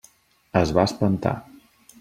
Es va espantar.